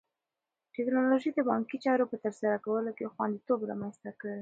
ټیکنالوژي د بانکي چارو په ترسره کولو کې خوندیتوب رامنځته کړی.